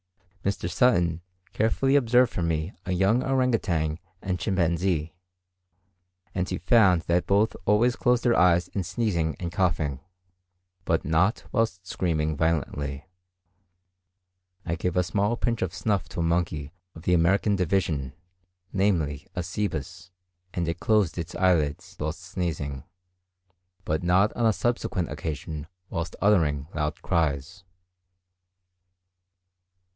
Mr. Sutton carefully observed for me a young orang and chimpanzee, and he found that both always closed their eyes in sneezing and coughing, but not whilst screaming violently. I gave a small pinch of snuff to a monkey of the American division, namely, a Cebus, and it closed its eyelids whilst sneezing; but not on a subsequent occasion whilst uttering loud cries.